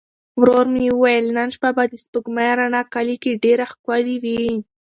ورور مې وویل نن شپه به د سپوږمۍ رڼا کلي کې ډېره ښکلې وي.